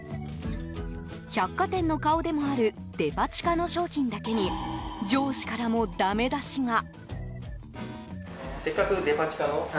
百貨店の顔でもあるデパ地下の商品だけに上司からも、ダメ出しが。